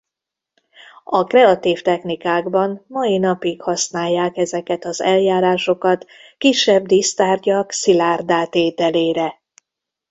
A kreatív technikákban mai napig használják ezeket az eljárásokat kisebb dísztárgyak szilárddá tételére.